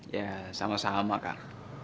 ya sama sama kak